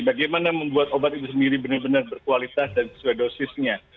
bagaimana membuat obat itu sendiri benar benar berkualitas dan sesuai dosisnya